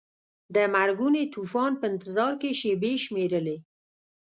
د مرګوني طوفان په انتظار کې شیبې شمیرلې.